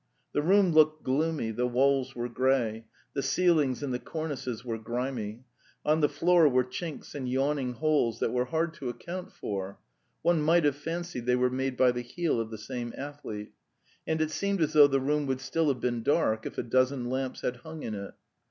The room looked gloomy, the walls were grey, the ceilings and the cornices were grimy; on the floor were chinks and yawning holes that were hard to account for (one might have fancied they were made by the heel of the same athlete), and it seemed as though the room would still have been dark if a dozen lamps had hung in it.